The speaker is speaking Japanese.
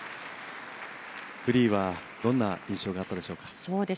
フリーはどんな印象があったでしょうか。